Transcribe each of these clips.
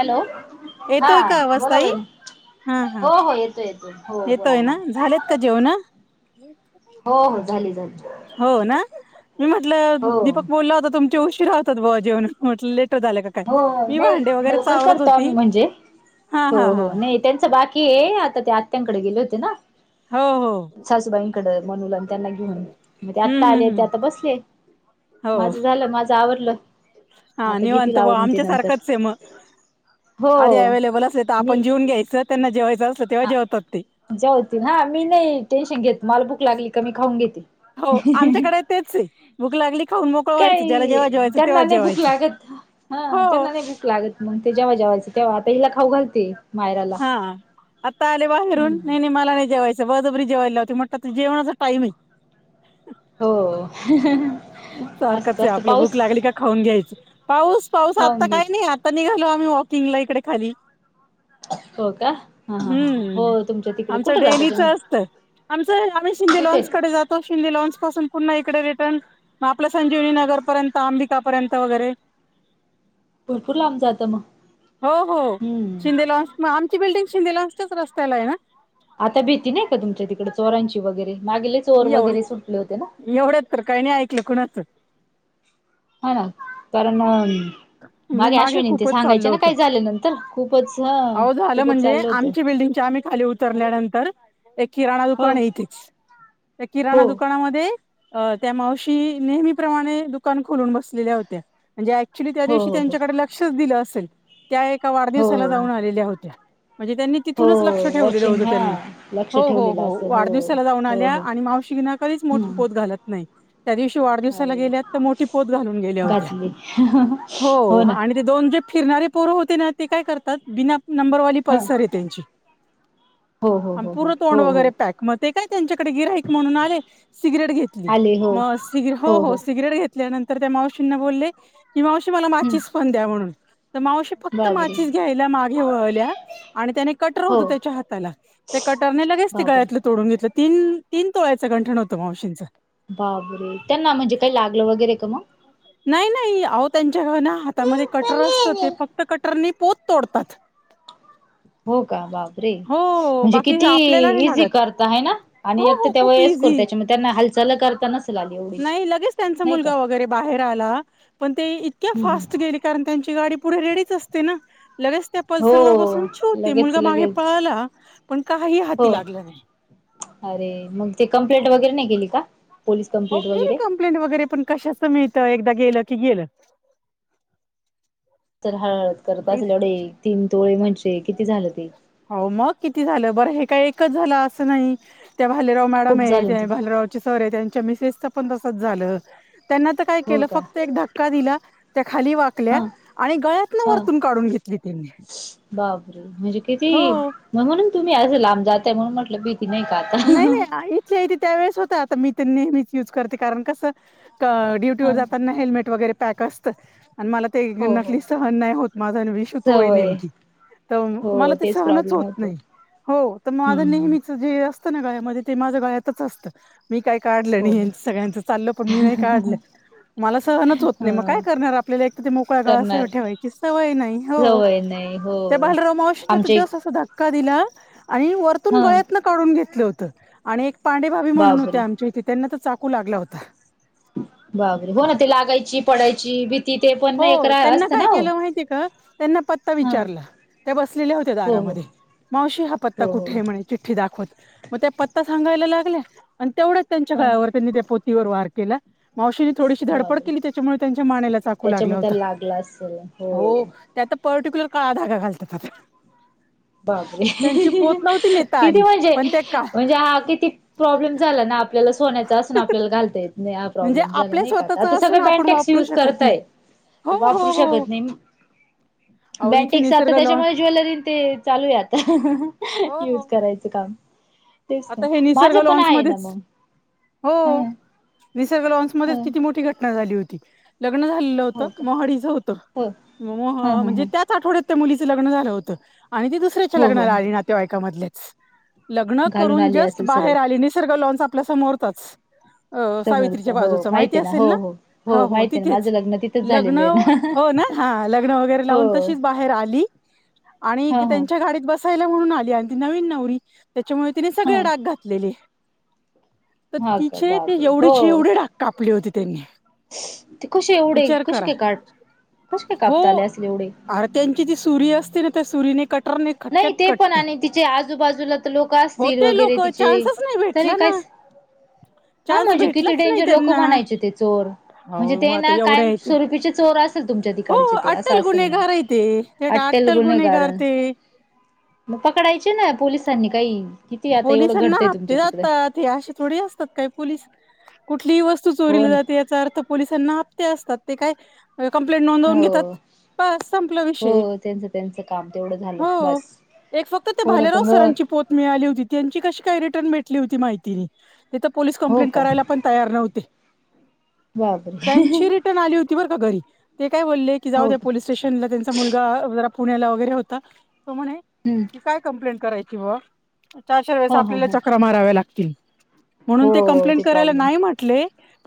Hello हा येतोय का आवाज बोला ताई? बई हा हा हो हो येतो येतोय. येतोय ना झालेत का जेवण? हो हो झाली झाली हो ना मी म्हटलं हो दीपक बोलला होता तुम उशिरा होतात बॉ जेवण म्हटल लेट झाले का काय हो मी नाही भांडे वगैरे लवकर वरत करतो होती आम्ही हा ह हा त्यांच बाकी आहे आता ते आत्यांकडे गेले होते ना. हो हो सासूबाईंकडें मनूला न् आणि त्यांना घेऊन. मग ते हम्म आता आले हम्म ते हम्म आता बसले, हो माझं झालं माझं आवरल. हा निवांत बॉ आमच्या सारखच म आधी हो अवलेबल असेल तर आप मी जे उरकून घ्यायचं त्यांना जेवायचं असं तेव्हा जेवतात ते. ज होतील हा मी नाही टेन्शन घेत मला भूक लागली का मी खाऊन घेते. हो आमच्याकडे तेच आहे भूक लागली खाऊन मोकळं व्हायचं ज्याला काही जेव्हा जेवायचं तेव्हा त्यांना नाही भूक जेवायचं लागत हा, हो त्यांना नाही भूक लागत मग ते जेव्हा जेवायचं तेव्हा आता हिला खाऊ घालते मायराला. हा आता आले बाहेरून हम्म नाही नाही मला नाही जेवायच बळजबरी जेवायला लावते म्हटलं जेवणाचा टाइम आहे. हो असंच सारखच ये असतं आपलं पाऊस भूक लागली का खाऊन घ्यायचं.. पाऊस, पाऊस खाऊन आता काही घ्यायच. नाही. आता निघालो आम्ही वॉकिंगला इकडे खाली. हो का? हा हा हा हो हम्म तुमच्या तिकडे आमचं कुठे जाता डेलीच तुम्ही? असतं आमचं आम्ही शिंदे तिथे लॉनसकडे जातो शिंदे लॉनच पासून पुन्हा इकडे रिटर्न मग आपलं संजीवनी नगरपर्यंत, आंबिकापर्यंत वगैरे भरपूर लांब जात मग, हो हो हम्म शिंदे लॉन्स मग आमची बिल्डिंग शिंदे लॉन्च च्या रस्त्याला आहे ना. आता भीती नाही का तुमच्या तिकडें चोरांची वगैरे मागे ले चोर वगैरे सुटले होते ना? एवढंच तर काही नाही ऐकलं कुणाचं हा ना कारण नाही मागे अश्विनी ते खूपच सांगायचे ना काही झाले नंत तर खूपच हा आओ झालं म्हणजे आमची बिल्डिंगच्या आम्ही खाली उतरल्यानंतर एक किराणा दुकान हो. आहे इथेच त्या हो किराणा दुकानामध्ये अ त्या मावशी नेहमीप्रमाणे दुकान खोलून बसलेल्या होत्या म्हणजे अऍक्च्युली त्या हो दिवशी हो हो त्यांच्याकडे लक्षच दिलं असेल त्या एका वाढदिवसाला हो जाऊन आलेल्या होत्या. म्हणजे त्यांनी हो तिथूनच लक्ष ठेवलेलं वॉचिंग होतं हा त्यांना लक्ष हो हो ठेवलेलं हो असेल वाढदिवसाला जाऊन हो आल्या हो आणि मावशी ना कधीच मोठीे हम्म पोत घालत नाही. त्या दिवशी वाढदिवसाला अरे गेल्यात तर मोठी पोत घालून गेल्या होत्या घातली हो आणि ते दोन जे फिरणारे पोर होते ना ते काय करतात बिना नंबरवाली हा पल्सर आहे त्यांची हो हो आणि हो हो पूर्ण तोंड हो वगैरे हो पॅक म ते काय त्यांच्याकडे गिऱ्हाईक म्हणून आले. सिगरेट घेतली आले हो म स हो हो सिगरेट घेत ल्यानंतर त्या मावशींना बोलले की मावशी मला हम्म माचीच पण द्या म्हणून तर मावशी फक्त बाबरे माचीच घ्याय त्या मागे वळल्या आणि त्याने कटर हो होत त्याच्या हाताला त्या कटरने लगेच त बाबरे गळ्यात तोडून घेतलं तीन तीन तोळ्याचं गंठण होतं मावशींच बापरे, त्यांना म्हणजे काही लागलं वगैरे का मग नाही, नाही आओ त्यांच्या घ ना हातामध्ये कटर असतं ते फक्त कटरनी पोत तोडतात. हो का बाब रे े हो म्हणजे बाकी किती आपल्याला नाही इझी लागत करता हाय ना आणि हो एक तर हो ते खूप वयस्कर इझी त्याच्यामुळे त्यांना हालचाल कर नसल आली एवढी नाही लगेच त्यांचा नाही का मुलगा वगैरे बाहेर आला पण ते इतक्या हम्म हम्म फास्ट गेले कारण त्यांची गाडी पुढे रेडीच असते ना लगेच त्या हो पल्सर वर बसून छू ते लगेच मुलगा मागे लगेच पळाला पण काही हो हाती लागला नाही. अरे मग ते कंप्लेंट वगैरे नाही केली का? पोलीस हो कंप्लेंट केली वगैरे कं्प्लेंट वगैरे पण कशाचं मिळत एकदा गेलं की गेलं चर हळहळ च करत असतील एवढं तीन तोळे म्हणजे किती झालं ते हो मग किती झालं बरं हे काय एकच झालं असं नाही, त्या भालेराव मॅडम खूप आहे झालं त्या तुम भालेराव त्यांचे सर आहे त्यानं च्या मिसेस च पण तसच झालं. त्यांना त काय हो केल का फक्त एक धक्का का दिला त्या खाली वाकल्या हा आणि गळ्यातन हा वरतून काढून घेतली त्यांनी बापरे म्हणजे किती हो म्हणून तुम्ही असं लांब जातय म्हणून म्हटलं भीती नाही का? नाही नाही इच्छे य त त्यावेेळेस होत आता मी तर नेहमीच युज करते कारण कसं? ड्युटी व ह जातना हेल्मेट वरे पक असत मला ते हो हो नकली सहन नाही होत माझा आणि विष तोय सवय नेमकी तर हो मला ते तेच सहनच प्रॉब्लेम होत होतो नाही हो तर मग माझ हम्म नेहमीच े असत ना गामध्ये माझ्या गायातच असतं. मी काही काढलं हम्म हो नाहीच सगळ्यांचं चाल पण मी नाही काढलं. मला सहनच होत नाही मग ह काय करणार आपल्याला एक तर ते मोकळ्या गळासाहे करणार ठेवायची सवय नाही. हो सवय नाही हो त्या बालरा मावशी तर आमचे जस अस दात का दिला आणि वरतून हा गळ्यातन काढून घेतलं होत. आणि एक पांडेभाभी म्हणून होते्या बापरे आमच्या इथे त्यांना त चाकू लागला होता. बाबर हो ना ते लागायची पडायची बी हो त्यांना काय केलं माहितीय का त्यांना पत्ता हा विचारला त्या बसलेल्या होत्या हो हो दारामध्ये मावशी हा पत्ता हो कुठे हो म्हण. चिठ्ठी दाखवत मग त्या पत्ता सांगायला लागल्या आणि तेवढच त्यांच्या गळा्यावर त्यांनी ते पो वार केला मावशीने थोडीशी धडपड केली त्याच्यामुळे त्यांच्या माण्याला चा त्याच्या मत लागला असेल हो. त्यात पर्टिक्युलर काळा धागा घालतात. बर त्यांची पोत नव्हती नेता किती आली म्हणजे पण त्या का म्हणजे हा किती प्रॉब्लेम झाला ना. आपल्याला सोन्याचां असून आपल्याला घालता येत नाही म्हणजे प्रॉब्लेम झाला आपल्या नाही का स्वतःच आता असून सगळे आपण बँनटेक्स वापरू युज शकत नाही. करताय. हो वापरू हो हो शकत नाही अहो इथे बँनटेक्सात निसर्ग लॉन त्याच्यामध्ये ज्वेलरी ते चालूया आता हो युज करायचं काम तेच ना आता हे निसर्ग माझं पण लॉनच आहे ना मध्येच मग हो. हम्म निसर्ग ह लॉन्समध्येध्ये तिती मोठी घटना झाली होती. लग्न झालेलं होतं हो का मोहाडीचं होतं हो मो ह ह म्हणजे ह त्या आठवड्यात त्या मुलीचं लग्न झालं होतं आणि ती दुसऱ्याच्या हो हो लग्नाला हो आली ना त्या ऐकामधल्याच ल घालून ून आली जस्ट असेल बाहेर आली निसर्ग लॉन्स आपल्या समोरच ह. समोरच हो माहित आहे ना हो हो हो माहिती आहे ना माझं लग्न तिथंच लग्न झालेलं आहे ना. हो ना हा लग्न वगैरे हो लावून तशीच बाहेर आली आणि हा हा त्यांच्या गाडीत बस. यला म्हणून आली आणि ती नवीन नवरी त्याच्यामुळे तिने हा सगळे डाग घातलेले तर हा का तिचे ते बापरे हो जेवढेचे एवढे ढाक कापले होती त्यांनी ते कसे एवढे विचार कसे करा काय का कसे काय कापताले असले एवढे अरे त्यांची जी सुरी असते ना त्या सुरीने कटरने नाही खटक्यात ते पण कटत आणि तिचे आजूबाजूला लोक असतील होते वगैरे लोक तिचे चान्सच नाही त भेटला काय? ना हा चान्स म्हणजे किती भेटलाच नाही डेंजर लोक त्यांना म्हणायचे ते चोर म्हणजे हो मग ते आता ना एवढ्या कायम याचे स्वरूपीचे चोर अस. अस तुमच्या हो तिकाडचे ते असं अट्टल असेल ना गुन्हेगार आहे ते ते आट्याल अट्टल गुन गुन्हेगार कारण ते मग पकडायचे ना पोलिसांनी काही किती आता एवढं घडतंय तुमच्या तिकडं ते असे थोडे असतात काय पोलीस कुठलीही वस्तू हो चोरीली जाते ना याचा अर्थ पोलिसांना हप्ते असतात ते काय कंप्लेंट नोंदवून हो घेतात. बस संपलं विषय हो त्यांचं त्यांचं काम तेवढं झालं हो. बस एक फक्त ते हो ना पण भालेराव मग सरांची पोत हो हो का क क बापरे त्यां रिटन आली होती बर का घरी ते काय ब की जाऊ हो द्या का पोलीस स्टेशनला त्यांचा मुलगा जरा पुण्याला वगैरे होता तो म्हणे. हम्म. की काय कं्प्लेंट करायची ब चार चार वेळेस हो हो आपल्याला हो चक्र मारावे्या लागतील म्हणून ते हो कंप्लेंट करायला प्रॉब्लेम नाही म्हट. [inaudible]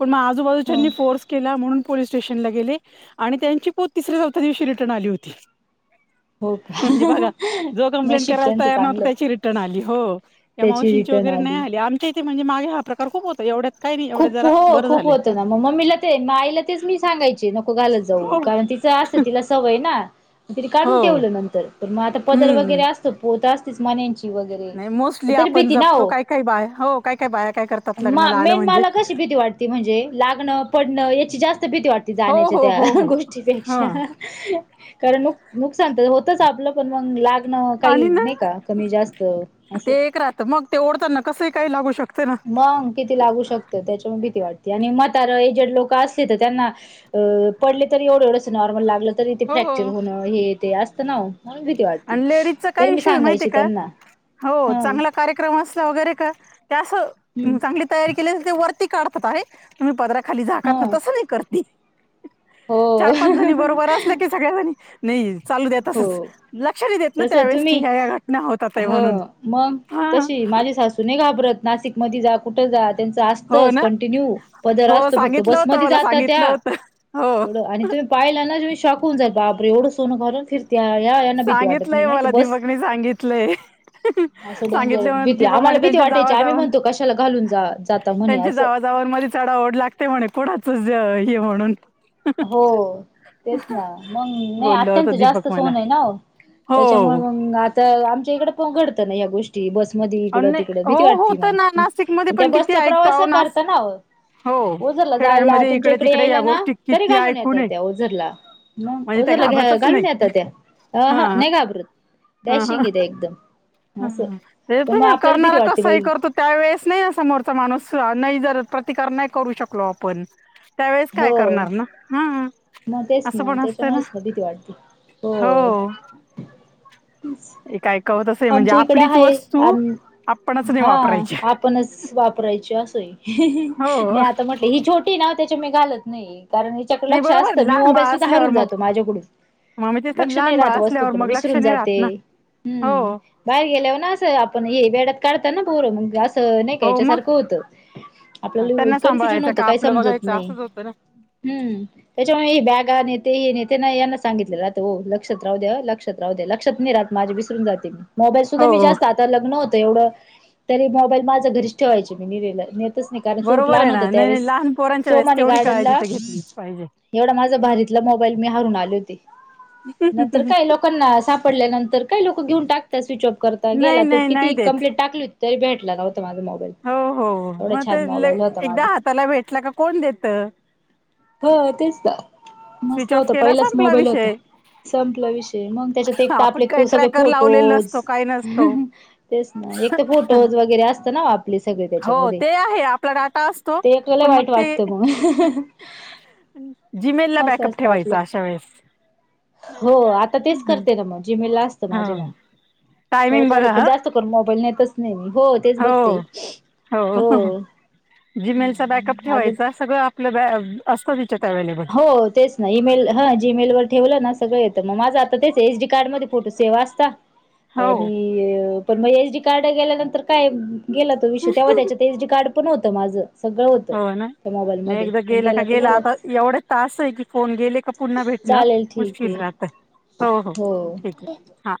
हो के म्हणून पोलीस स्टेशनला गेले आणि त्यांची पोत तिसऱ्या चौथ्या दिवशी रिटर्न आली होती-. हो का म्हणजे बघा जो कंप्लेंट नशीब करायला त्यांचं तयार नव्हत चांगलं त्याची रिटर्न आली हो. किं त्याची मावशींची रिटर्न वगैरे नाही आली आले आमच्या इथे म्हणजे मागे हा प्रकार खूप होता एवढ्यात काही नाही एवढे खूप जरा हो बरं खूप झालंय. होतं ना मग मम्मीला ते मा आईला तेच मी सांगायचे नको घालत जाऊ हो कारण तिचं असं तिला सवय ना. तरी हो काढून ठेवलं नंतर तर मग आता पदर हम्म वगैरे असतो पोहत असतेच मानची नाही मोस्टली आपण जपतो काय काय बाय हो काय काय बाया काय करतात लग्नाला आलं. म क भी वा म्हणजे म्हणे पचीस् भीती वाटती हो जाण्यायच्या हो हो त्या हो हा गोष्टीपेक्षा कारणक नुकसानत होतच आपलं पण मग लाग ण काही आणि ना नाही का कमी जास्त ते असं. एक राहतं मग ते ढता न कसही काही लागू शकते ना. मग किती लागू शकतं त्याच्यामुळे भिती वाटते आणि मतार एजेड लोक असले तर त्यांना पडले तरी एवढं एवढंस नॉर्मल लागलं तरी तेे हो हो फ्रॅक्चर होणं हे ते असतं ना. म्हणून भीती वाटती आणि लेडीजचा तरी काय मी इश्यू आहे माहितीय सांगायची का त्यांना हो हा. चांगला कार्यक्रम असल्या वगैरे का त्या अस हं चांगली तयारी केली ते वरती काढतात आहे. तुम्ही पदरा खाली झाकत ना ह तसं नाही करते. हो चार पाच जणी बरोबर असले की सगळ्याजणी नाही चालू द्या. हो तसच लक्ष देत ना तस त्यावेेळेस की तुम्ही ह्या या्या घटना होतात ह म्हणून ह. तु घाबरत नाशिक मध्ये जा कुठं जात. त्यांचं हो असतंच ना कंटिन्यू पदर हो असतो फक्त सांगितलं होतं बसमध्ये मला जातात सांगितलं त्या होतं हो एडं आणि तुम्ही पाहिला ना मी शकवून जाईल बाबरे एवढं सोनं करून फिर त्या सांगितलंय मला दीपकनी सांगितलंय. असं डेंजर सांगितले म्ह भीती दीपक आम्हाला म्ह भीती त्यांच्या वाटायची जावा आम्ही जाऊन म्हणतो कशाला घालून जा जाता म्हणे त्यांच्या असं जावा. ज म चढाओढ लागते म्हणे कोणाच हे म्हणून हो तेच ना मग नाही बोललं होत अत्यंत जास्त दीपक मला सोन आहे ना त्याच्यामुळे हो मग आता आमच्या इकड पघडतं ना या गोष्टी बस. मध्ये इकडं नाही तिकडं हो भीती वाटती होत ना मग नाशिकमध्ये त्या पण किती बसचा ऐकतो प्रवास अहो नास करता ना. हो ओझरला जायला खेड्यांमध्ये तुमच्या इकडे तिकडे या यायला ना गोष्टी तरी किती घालून ऐकू येत नये त्या ओझरला म म्हणजे त्या ओजला घ्या घाबरतच घालून येत नाही त्या अ हा नाही घाबरत ड्याशिंग इ ते एकदम असं ह ते प मग पण आपल्याला भीती करणार वाटते कसाही बाई करतो. त्यावेेळेस नाही समोरचा माणूस नाही जर प्रतिकार नाही करू शकलो आपण त्यावेळेस काय हो करणार ना हा मग तेच असं ना पण असतं ना. त्याच्यामुळेच हो. बम्. हे काय कावतसं आमच्या इकड आहे आणि आपणच नाही हा. वापरायची आपणच वापरायची असोय नाही हो आता म्हट ही छोटी नाव त्याच्या मी घालत नाही कारण याच्याकडे नाही लक्ष बरोबर असतं मी लहान मोबाईल बाळ सुद्धा असल्यावर हरून मग जातो माझ्याकडून मग मी तेच सांगते, लक्ष नाही लहान राहत बाळ असल्यावर वस्तूकडे मग लक्ष विसरून नाही राहत जाते ना हम्म. हो बाहेर गेल्यावर ना असं आपण हे वेड्यात काढत ना बोर असं नाही का हो याच्या मग सारखं होतं. आपल्याला त्यांना कन्फ्युजन सांभाळायचं होतं का काही आपलं समजत बघायचं नाही असंच होतं ना हम्म. त्याच्यामुळे हे बॅग हा नेते हे नेते ना यांना सांगितले जातं हो लक्षात रावू दे लक्ष लक्षात नाही राात माझे विसरून जातेी. मोबाईल सुद्धा मी हो जास्त आता लग्न होतं एवढं तरी मोबाईल माझं घरीच ठेवायचे मी नि नाही कारण स्वरूप बरोबर लहान आहे होत ना नाही त्यावेळेस नाही लहान पोरांच्या वेळेस सोमानी तेवढी काळजी गार्डनला तर घेतलीच पाहिजे एवढा माझा भारीतला मोबाईल मी हारून आले होते नंतर काय लोक लोकांना सापडल्यानंतर काय लोकं घेऊन टाकतात स्विच ऑफ करता गेला नाही तो नाही किती नाही देत कं्प्लेट टाकली. तरी भेटला नव्हता माझा मोबाईल हो हो एवढा मग छान मोबाईल होता माझा एकदा हाताला भेटला का कोण देत. ह तेच ना मस्त स्विच ऑफ होत केला पहिलाच संपला मोबाईल होता विषय संपला विषय मग त्याच्यात एक तर आपण आपले काही सगळे ट्रॅकर लावलेला फोटोज नसतो काही नसतो तेच ना एक तर फोटोज वगैरे असत ना आपले सगळे हो त्याच्यामध्ये. ते आहे आपला डाटा असतो ते आपल्याला पण मग वाईट वाटत मग हाहाहाहाहा जीमेला बॅ हो आता तेच हम्म. करते ना मग जिमेला असत माझे मग. हो टायमिंग परत राहते बघा पण हा जास्त करू मोबाईल नेतच नाही मी हो तेच बघते हो हो जीमेल बॅकअप अजून ठेवायच सगळं आपलं असतं त्याच्यात अव्हेलेबल. हो तेच ईमेल हा जीमेल वर ठेवलं ना सगळं य तर मग माझं आता तेच एच डी कार्ड मध्ये फोटो सेव असता. हो आणि पण म एस डी कार्ड गेल्यानंतर काय गेला तो विषय तेव्हा त्याच्यात एस डी कार्ड पण होत माझं सगळं होत नाही एकदा गेला का गेला आता एवढे तास आहे की फोन गेले का पुन्हा भेटणं चालेल ठीक मुश्किल आहे राहत हो हो ठीक आहे हा